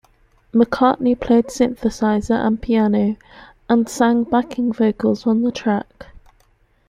McCartney played synthesizer and piano, and sang backing vocals on the track.